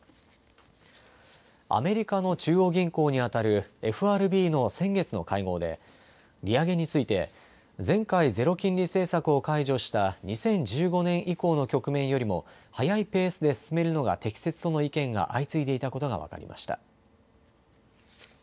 アメリカの中央銀行にあたるＦＲＢの先月の会合で利上げについて前回、ゼロ金利政策を解除した２０１５年以降の局面よりも速いペースで進めるのが適切との意見が相次いでいたことが分かりました。